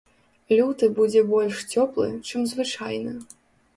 Люты будзе больш цёплы, чым звычайна.